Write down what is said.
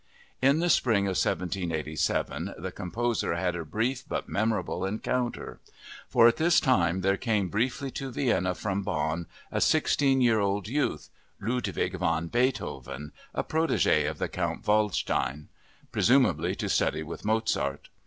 In the spring of 1787 the composer had a brief but memorable encounter; for at this time there came briefly to Vienna from Bonn a sixteen year old youth—Ludwig van Beethoven, a protégé of the Count Waldstein—presumably to study with Mozart.